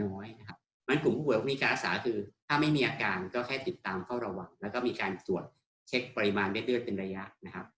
อาการน้อยนะครับมันกลุ่มผู้บ่อยพวกมีการอาศาคือถ้าไม่มีอาการก็แค่ติดตามเข้าระวังแล้วก็มีการตรวจเช็คปริมาณเวทเลือดเป็นระยะนะครับ